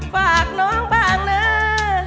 ฝากน้องบ้างนะ